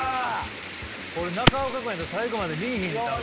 これ中岡君やったら最後まで見いひんで多分。